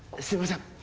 すいません